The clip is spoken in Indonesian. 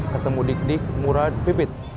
ketemu dik dik murah pipit